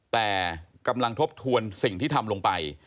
แต่กำลังทบทวนสิ่งที่ทำลงไป